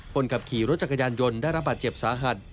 คนขับขี่รถจักรยานยนต์ได้รับบาดเจ็บสาหัส